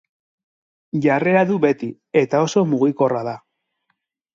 Jarrera du beti, eta oso mugikorra da.